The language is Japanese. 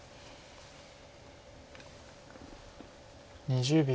２０秒。